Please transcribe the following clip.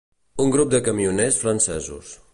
Un grup de camioners francesos